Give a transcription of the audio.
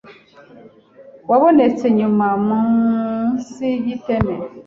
wabonetse nyuma munsi y’iteme.